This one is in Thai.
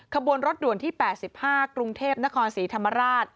ขบวนรถด่วนที่๘๕กรุงเทพนครศรีธรรมราช